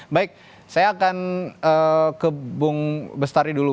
baik saya akan ke bung bestari dulu